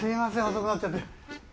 遅くなっちゃって。